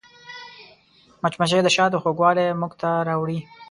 مچمچۍ د شاتو خوږوالی موږ ته راوړي